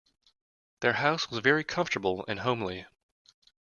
Their house was very comfortable and homely